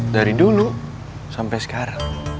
dari dulu sampai sekarang